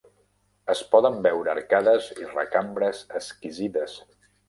Es poden veure arcades i recambres exquisides.